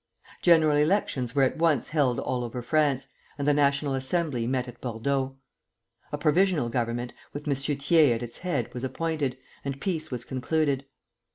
General elections were at once held all over France, and the National Assembly met at Bordeaux. A Provisional Government, with M. Thiers at its head, was appointed, and peace was concluded.